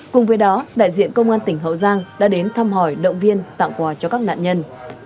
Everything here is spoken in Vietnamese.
cùng với đó đại diện công an tỉnh hậu giang đã đến thăm hỏi động viên tặng quà cho các nạn nhân